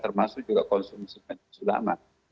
termasuk juga konsumen ulama